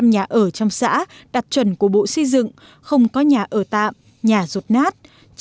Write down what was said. bảy mươi năm nhà ở trong xã đạt chuẩn của bộ xây dựng không có nhà ở tạm nhà rột nát